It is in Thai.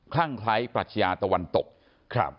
ลั่งคล้ายปรัชญาตะวันตกครับ